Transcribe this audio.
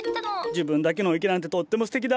自分だけの池なんてとってもすてきだ。